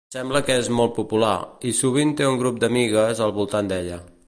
Sembla que és molt popular, i sovint té un grup d'amigues al voltant d'ella.